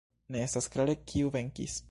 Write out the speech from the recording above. Ne estas klare kiu venkis.